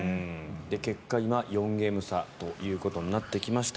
結果、今４ゲーム差となってきました。